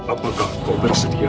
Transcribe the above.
apakah kau bersedia